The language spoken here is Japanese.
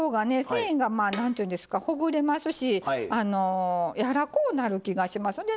繊維がまあ何ていうんですかほぐれますし柔らこうなる気がしますね。